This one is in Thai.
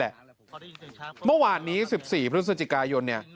แหละเมื่อวานนี้๑๔พศจกรยนต์